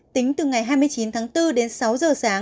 tính từ ngày hai mươi chín bốn đến sáu h sáng